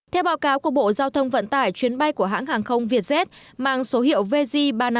theo báo cáo của bộ giao thông vận tải chuyến bay của hãng hàng không vietjet mang số hiệu vz ba trăm năm mươi